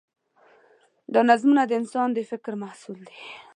دا نظمونه د انسان د فکر محصول دي.